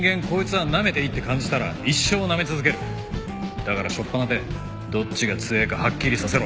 だから初っぱなでどっちが強えかはっきりさせろ。